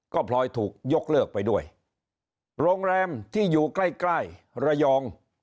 ก็พลอยถูกยกเลิกไปด้วยโรงแรมที่อยู่ใกล้ใกล้ระยอง